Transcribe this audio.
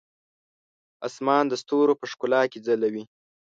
اسمان د ستورو په ښکلا کې ځلوي.